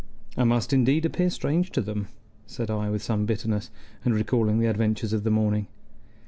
"I must indeed appear strange to them," said I, with some bitterness, and recalling the adventures of the morning.